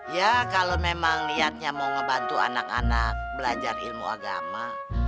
ya kalau memang niatnya mau ngebantu anak anak belajar ilmu agama